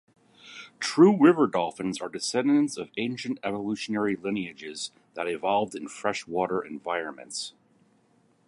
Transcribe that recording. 'True' river dolphins are descendants of ancient evolutionary lineages that evolved in freshwater environments.